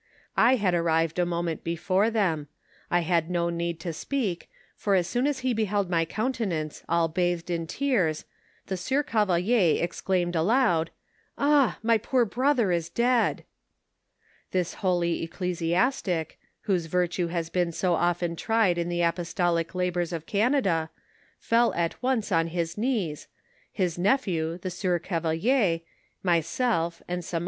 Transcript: I had ar rived a moment before them ; I had no need to speak, for as soon as he beheld my countenance all bathed in tearp^ the sieur Cavelier exclaimed aloud, "Ah! my poor brother is dead!" This holy ecclesiastic, whose virtue has been so often tried in the apostolic labors of Canada, fell at once on his knees, his nephew, the sieur Cavelier, myself, and some * This and the oiroumstanoes of Moranget's death, are denied by Jontel in Eiit.